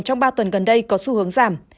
trong ba tuần gần đây có xu hướng giảm